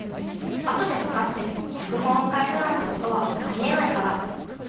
あとでわかってきゃくほんをかえるなんてことはありえないから。